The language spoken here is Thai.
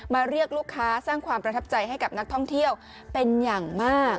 เรียกลูกค้าสร้างความประทับใจให้กับนักท่องเที่ยวเป็นอย่างมาก